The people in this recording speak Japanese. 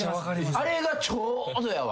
あれがちょうどやわ。